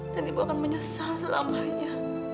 dan ibu akan menyesal selamanya